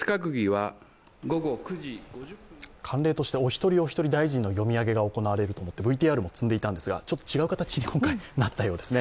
慣例としてお一人お一人として大臣が呼ばれると思ってＶＴＲも積んでいたんですが、ちょっと違う形に今回なったようですね。